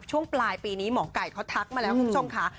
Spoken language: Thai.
ช่วงปลายปีนี้หมอไก่เขาทักมาแล้วคุณผู้ชมค่ะ